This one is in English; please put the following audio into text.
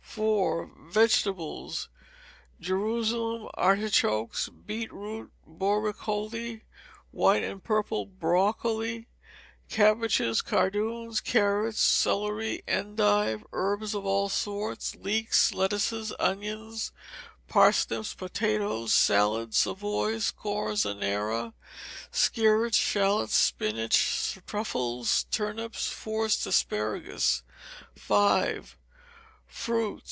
iv. Vegetables. Jerusalem artichokes, beet root, borecole, white and purple broccoli, cabbages, cardoons, carrots, celery, endive, herbs of all sorts, leeks, lettuces, onions, parsnips, potatoes, salad, Savoys, scorzonera, skirrets, shalots, spinach, truffles, turnips, forced asparagus. v. Fruit.